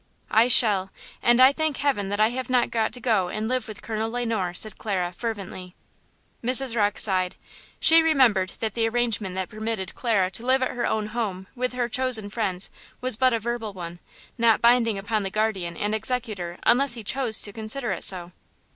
"I shall; and I thank heaven that I have not got to go and live with Colonel Le Noir!" said Clara, fervently. Mrs. Rocke sighed. She remembered that the arrangement that permitted Clara to live at her own home with her chosen friends was but a verbal one, not binding upon the guardian and executor unless he chose to consider it so.